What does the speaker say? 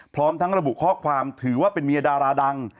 พร้อมทั้งระบุข้อความถือว่าเป็นเมียดาราดัง